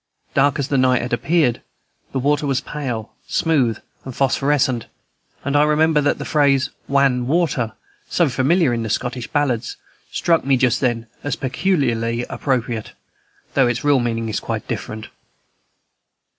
Dark as the night had appeared, the water was pale, smooth, and phosphorescent, and I remember that the phrase "wan water," so familiar in the Scottish ballards, struck me just then as peculiarly appropriate, though its real meaning is quite different.